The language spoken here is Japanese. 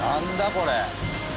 これ。